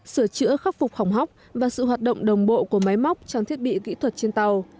sửa chữa khắc phục hỏng hóc và sự hoạt động đồng bộ của máy móc trang thiết bị kỹ thuật trên tàu